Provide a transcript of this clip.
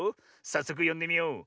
さっそくよんでみよう。